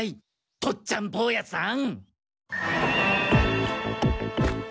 父っちゃん坊やさん。